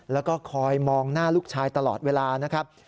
แล้วก็คอยมองหน้าลูกชายตลอดเวลานะครับ